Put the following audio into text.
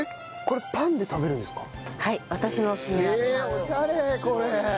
おしゃれこれ。